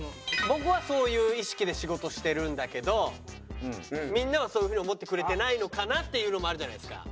僕はそういう意識で仕事してるんだけどみんなはそういう風に思ってくれてないのかなっていうのもあるじゃないですか。